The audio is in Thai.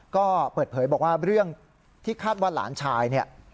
ก็เปิดเผยบอกว่าเรื่องที่คาดว่าหลานชายเนี่ย